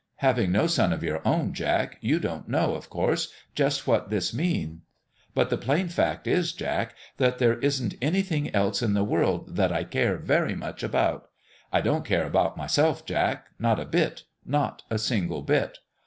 Having no son of your own, Jack, you don't know, of course, just what this means. But the plain fact is, Jack, that there isn't anything else in the world that I care very much about. I don't care about myself, Jack. Not a bit not a single bit